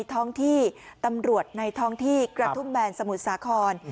ตำรวจในท้องที่กระทุ่มแบนสมุทรสาขร